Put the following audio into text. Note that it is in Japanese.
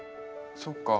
そっか。